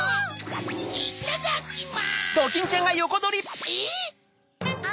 いただきま。